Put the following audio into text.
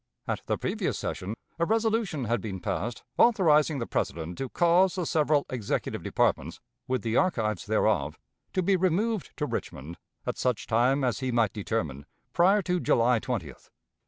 At the previous session, a resolution had been passed authorizing the President to cause the several executive departments, with the archives thereof, to be removed to Richmond at such time as he might determine prior to July 20th.